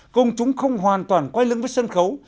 công chúng không hoàn toàn quay lưng với sân khấu